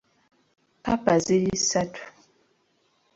Kkapa ziri ssatu .